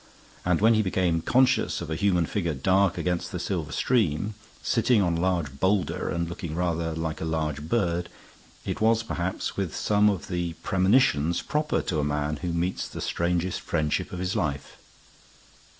And when he became conscious of a human figure dark against the silver stream, sitting on a large boulder and looking rather like a large bird, it was perhaps with some of the premonitions proper to a man who meets the strangest friendship of his life.